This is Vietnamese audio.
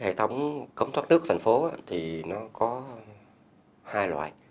hệ thống cống thoát nước của thành phố có hai loại